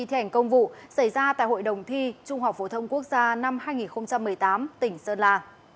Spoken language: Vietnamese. thi hành công vụ xảy ra tại hội đồng thi trung học phổ thông quốc gia năm hai nghìn một mươi tám tỉnh sơn la